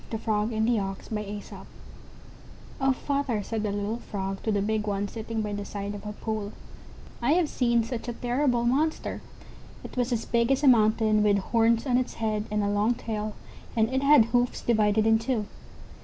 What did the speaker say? THE FROG AND THE OX "Oh, father," said a little Frog to the big one sitting by the side of a pool, "I have seen such a terrible monster! It was as big as a mountain, with horns on its head, and a long tail, and it had hoofs divided in two."